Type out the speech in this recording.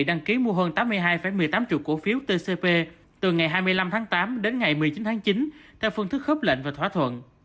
đăng ký mua hơn tám mươi hai một mươi tám triệu cổ phiếu tcp từ ngày hai mươi năm tháng tám đến ngày một mươi chín tháng chín theo phương thức khớp lệnh và thỏa thuận